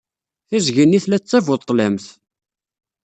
Tiẓgi-nni tella d tabuḍḍlamt.